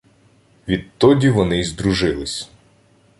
Відтоді вони й здружились.